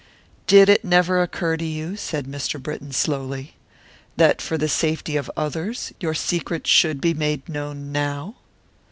"Did it never occur to you," said Mr. Britton, slowly, "that for the safety of others your secret should be made known now?"